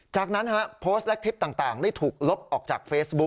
จากนั้นโพสต์และคลิปต่างได้ถูกลบออกจากเฟซบุ๊ค